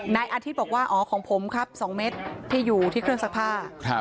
นายอาทิตย์บอกว่าอ๋อของผมครับ๒เมตรที่อยู่ที่เครื่องซักผ้า